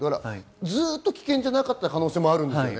ずっと危険じゃなかった可能性もあります。